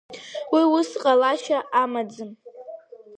Уи ус ҟалашьа амаӡам!